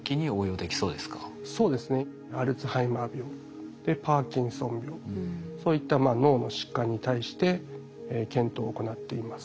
アルツハイマー病パーキンソン病そういった脳の疾患に対して検討を行っています。